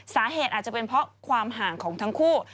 สาเหตุอาจจะเป็นเพราะความห่างของทั้งคู่